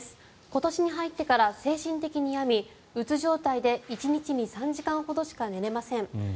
今年に入ってから精神的にやみうつ状態で１日に３時間ほどしか寝れません。